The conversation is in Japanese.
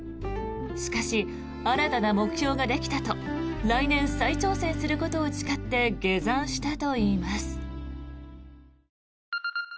しかし、新たな目標ができたと来年、再挑戦することを誓って下山したといいます。